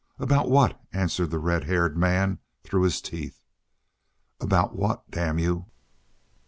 "About what?" answered the red haired man through his teeth. "About what, damn you!"